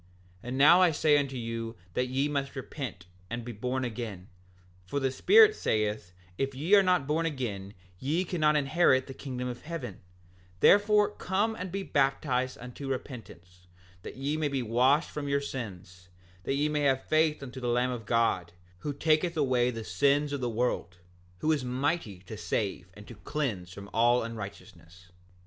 7:14 Now I say unto you that ye must repent, and be born again; for the Spirit saith if ye are not born again ye cannot inherit the kingdom of heaven; therefore come and be baptized unto repentance, that ye may be washed from your sins, that ye may have faith on the Lamb of God, who taketh away the sins of the world, who is mighty to save and to cleanse from all unrighteousness.